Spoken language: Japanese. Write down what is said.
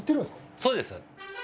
そうです。